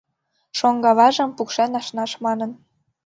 Шоҥго аважым пукшен ашнаш манын.